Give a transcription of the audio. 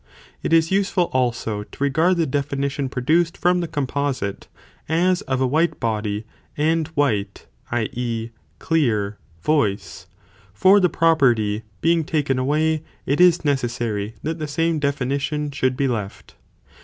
12. Definitions [Ὁ is useful also, to regard the definition pro of the compo duced from the composite, as of a white body smined. = and white (i. 6. clear) voice; for the property being taken away, it is necessary that the same * Asofthe definition should be left.